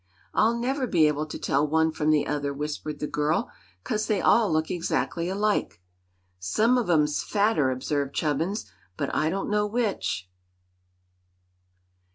"I'll never be able to tell one from the other," whispered the girl; "'cause they all look exactly alike." "Some of 'em's fatter," observed Chubbins; "but I don't know which."